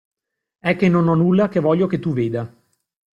È che non ho nulla che voglio che tu veda.